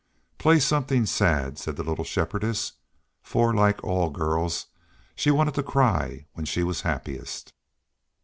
"Play something sad," said the little Shepherdess, for, like all girls, she wanted to cry when she was happiest.